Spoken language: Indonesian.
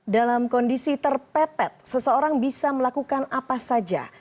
dalam kondisi terpepet seseorang bisa melakukan apa saja